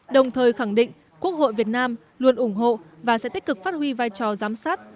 đồng thời khẳng định quốc hội việt nam luôn ủng hộ và sẽ tích cực phát huy vai trò giám sát